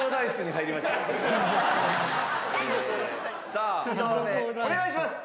さあ２投目お願いします。